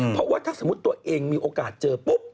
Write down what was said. เพราะว่าถ้าสมมุติตัวเองมีโอกาสเจอปุ๊บ